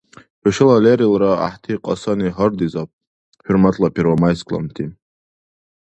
ХӀушала лерилра гӀяхӀти кьасани гьардизаб, хӀурматла первомайскланти!